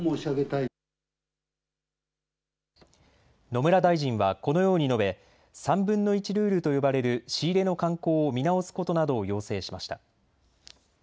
野村大臣はこのように述べ３分の１ルールと呼ばれる仕入れの慣行を見直すことなどを要請しました。